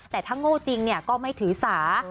แต่ถ้าโง่จริงก็ไม่ถือสา